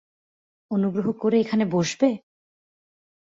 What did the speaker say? অনুগ্রহ করে এখানে বসবে!